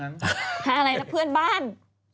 อะไรนะเพื่อนบ้าน